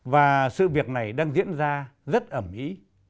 và sự việc này đang diễn ra rất ẩm ý